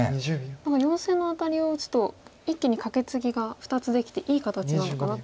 何か４線のアタリを打つと一気にカケツギが２つできていい形なのかなと。